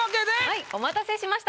はいお待たせしました。